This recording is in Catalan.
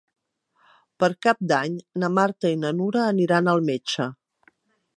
Per Cap d'Any na Marta i na Nura aniran al metge.